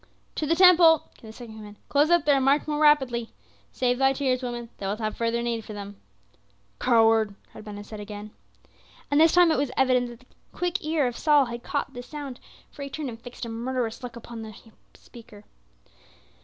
"To the Temple," came the second command. "Close up there, and march more rapidly. Save thy tears, woman; thou wilt have further need for them." "Coward!" cried Ben Hesed again. And this time it was evident that the quick ear of Saul had caught the sound, for he turned and fixed a murderous look upon the speaker.